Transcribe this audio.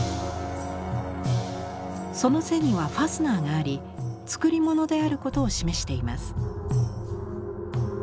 その背にはファスナーがあり作り物であることを示しています。